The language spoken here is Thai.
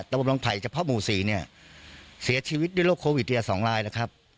ตะวมลงไผ่เฉพาะหมู่ศรีเนี่ยเสียชีวิตด้วยโรคโควิดเนี่ย๒ลายนะครับ